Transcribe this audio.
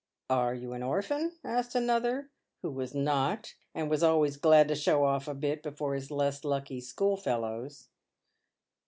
" Are you an orphan ?" asked another, who was not, and was always glad to show off a bit before his less lucky schoolfellows.